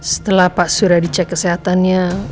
setelah pak suri di cek kesehatannya